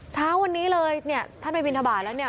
เช้าวันนี้เลยเนี่ยท่านไปบินทบาทแล้วเนี่ย